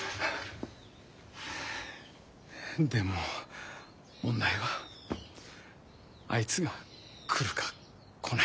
でも問題はあいつが来るか来ないか。